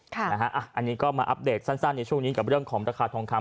อันนี้ก็มาอัปเดตสั้นในช่วงนี้กับเรื่องของราคาทองคำ